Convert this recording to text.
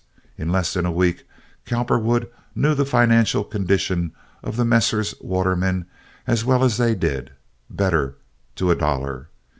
In less than a week Cowperwood knew the financial condition of the Messrs. Waterman as well as they did—better—to a dollar.